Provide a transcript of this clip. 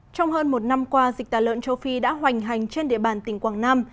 trong hơn một năm qua dịch tả lợn châu phi đã hoành hành trên địa bàn tỉnh quảng nam